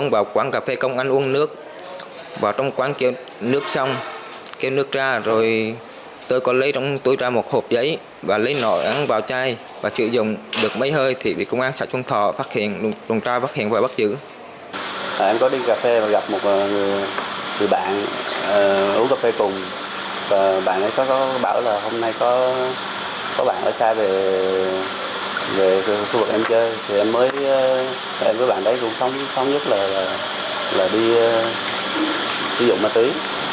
về khu vực em chơi em với bạn đấy luôn sống nhất là đi sử dụng ma tùy